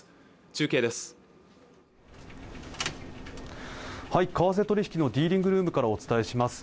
中継です為替取引のディーリングルームからお伝えします